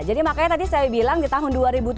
jadi makanya tadi saya bilang di tahun dua ribu tujuh belas